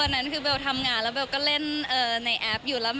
แล้วเบลก็เล่นในแอปอยู่แล้ว